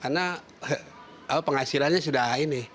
karena penghasilannya sudah ini